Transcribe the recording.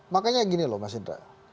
makanya gini loh mas indra